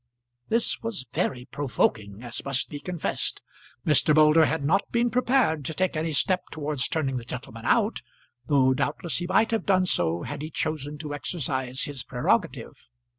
This was very provoking, as must be confessed. Mr. Moulder had not been prepared to take any step towards turning the gentleman out, though doubtless he might have done so had he chosen to exercise his prerogative.